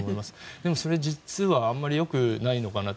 でも、それ実はあまりよくないのかなと。